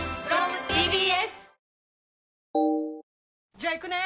じゃあ行くね！